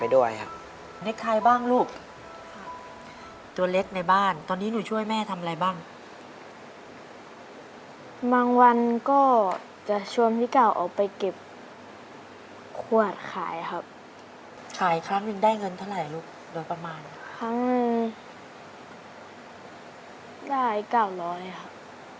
ได้๙๐๐ครับ